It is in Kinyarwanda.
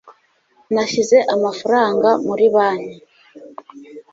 nashyize amafaranga muri banki